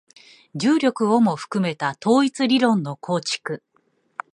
重力をも含めた統一理論の構築